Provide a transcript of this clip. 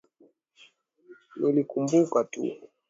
Nilikumbuka tu.